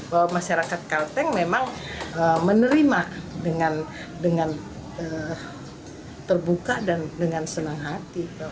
bahwa masyarakat kalteng memang menerima dengan terbuka dan dengan senang hati